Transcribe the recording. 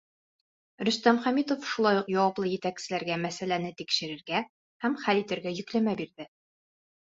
Рөстәм Хәмитов шулай уҡ яуаплы етәкселәргә мәсьәләне тикшерергә һәм хәл итергә йөкләмә бирҙе.